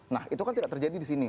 nah itu kan tidak terjadi disini